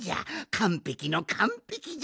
かんぺきのかんぺきじゃ！